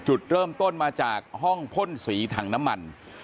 จุดเริ่มต้นมาจากห้องพ่นสีถังน้ำมัน